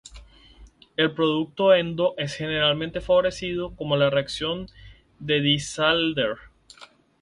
El producto endo es generalmente favorecido, como en la reacción de Diels-Alder.